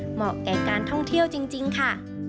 เหมาะแก่การท่องเที่ยวจริงค่ะ